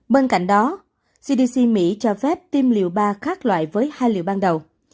bên cạnh đó cdc mỹ cho phép tiêm liều ba khác loại với hai liệu ban đầu